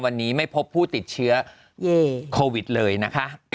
วันนี้ไม่พบผู้ติดเชื้อโควิดเลยนะคะ